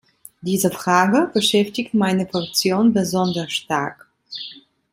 Diese Frage beschäftigt meine Fraktion besonders stark.